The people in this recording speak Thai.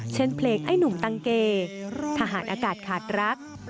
เพลงไอ้หนุ่มตังเกทหารอากาศขาดรัก